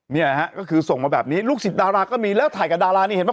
เนี่ยฮะก็คือส่งมาแบบนี้ลูกศิษย์ดาราก็มีแล้วถ่ายกับดารานี่เห็นไหม